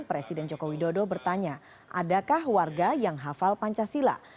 presiden joko widodo bertanya adakah warga yang hafal pancasila